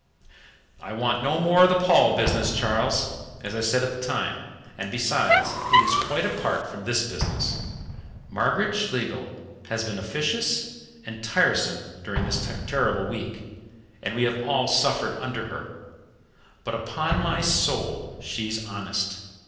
"I want no more of the Paul business, Charles, as I said at the time, and besides, it is quite apart from this business. Margaret Schlegel has been officious and tiresome during this terrible week, and we have all suffered under her, but upon my soul she's honest.